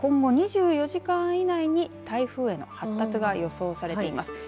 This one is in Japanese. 今後２４時間以内に台風への発達が予想されています。